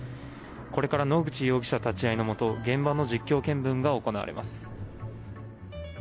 これから野口容疑者立ち合いのもと現場の実況見分が行われます。